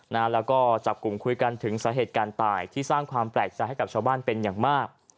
แล้วก็จับกลุ่มคุยกันถึงสาเหตุการณ์ตายที่สร้างความแปลกใจให้กับชาวบ้านเป็นอย่างมาก